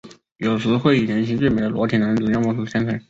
有时会以年轻俊美的裸体男子样貌现身。